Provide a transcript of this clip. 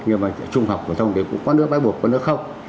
nhưng mà trung học của chúng thì cũng có nước bắt buộc có nước không